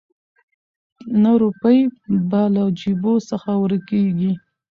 نه روپۍ به له جېبو څخه ورکیږي